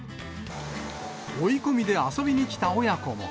追い込みで遊びに来た親子も。